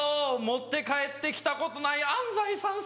持って帰って来たことない安斉さん